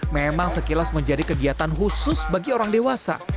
memang sekilas menjadi kegiatan khusus bagi orang dewasa